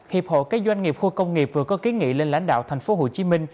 hiệp hộ cái doanh nghiệp khu công nghiệp vừa có ký nghị lên lãnh đạo tp hcm